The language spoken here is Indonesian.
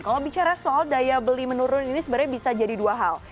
kalau bicara soal daya beli menurun ini sebenarnya bisa jadi dua hal